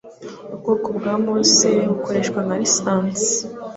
Ubwoko bwa moss bukoreshwa nka lisansi